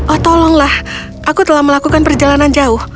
oh tolonglah aku telah melakukan perjalanan jauh